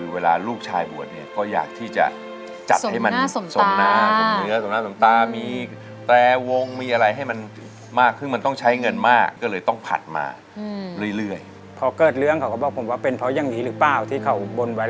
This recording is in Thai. แบบว่าไม่ต้องมีพิธีอะไรมากมาย